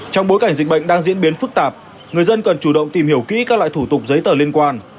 trong bối cảnh dịch bệnh đang diễn biến phức tạp người dân cần chủ động tìm hiểu kỹ các loại thủ tục giấy tờ liên quan